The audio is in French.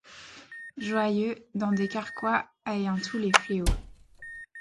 Joyeux, dans des carquois ayant tous les fléaux ;